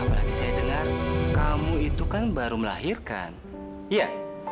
apalagi saya dengar kamu itu kan baru melahirkan ya